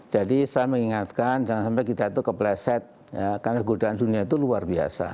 jadi saya mengingatkan jangan sampai kita itu kebleset karena godaan dunia itu luar biasa